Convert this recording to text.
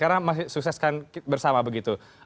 karena masih sukseskan bersama begitu